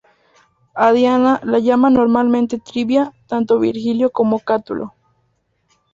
A Diana la llaman normalmente Trivia tanto Virgilio como Catulo.